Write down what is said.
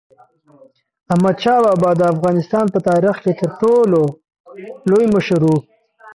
احمدشاه بابا د افغانستان په تاریخ کې تر ټولو لوی مشر و.